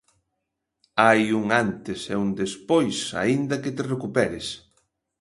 Hai un antes e un despois aínda que te recuperes.